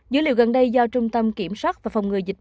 dữ liệu gần đây do trung tâm kiểm soát và phòng ngừa dịch